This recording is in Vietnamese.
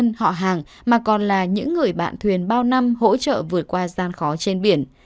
nhưng họ hàng mà còn là những người bạn thuyền bao năm hỗ trợ vượt qua gian khó trên biển